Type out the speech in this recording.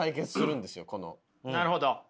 なるほど。